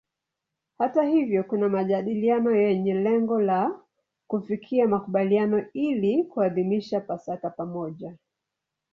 Hata hivyo kuna majadiliano yenye lengo la kufikia makubaliano ili kuadhimisha Pasaka pamoja.